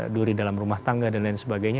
duri dalam rumah tangga dan lain sebagainya